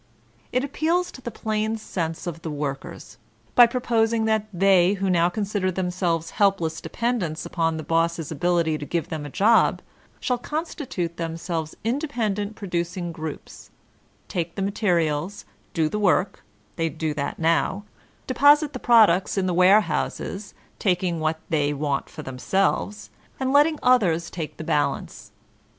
It appeak to the plain sense of the workers, by proposing that they who now consider themselves helpless dependents upon the boss's ability to give them a job, shall constitute themselves independent producing groups, take the materials, do the work (they do that now), deposit the products in the warehouses, taking what they want for themselves, and letting others take the balance.